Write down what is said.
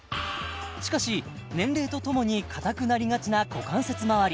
しかし年齢とともに硬くなりがちな股関節周り